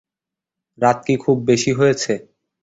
রাত কি খুব বেশি হয়েছে?